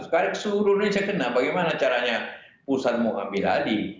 sekarang sudah saya kenal bagaimana caranya pusat mengambil alih